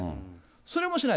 それもしない。